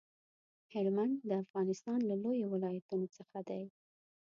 هلمند د افغانستان له لويو ولايتونو څخه دی.